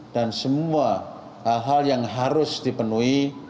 dan semua hal hal yang harus dipenuhi